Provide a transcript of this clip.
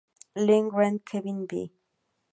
Le Grand-Quevilly